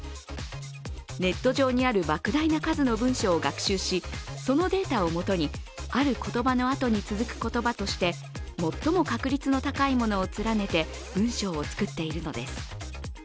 ネット上にある莫大の数の文章を学習しそのデータを基に、ある言葉のあとに続く言葉として最も確率の高いものを連ねて文章を作っているのです。